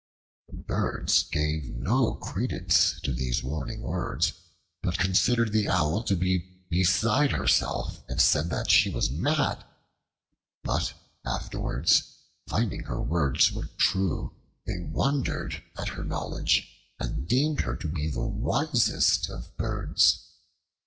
The Birds gave no credence to these warning words, but considered the Owl to be beside herself and said that she was mad. But afterwards, finding her words were true, they wondered at her knowledge and deemed her to be the wisest of birds.